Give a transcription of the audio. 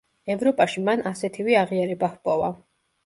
ევროპაში მან ასეთივე აღიარება ჰპოვა.